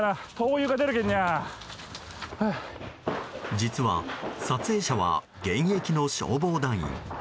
実は撮影者は現役の消防団員。